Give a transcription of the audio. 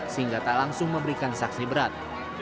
sehingga tak langsung memberikan saksi berat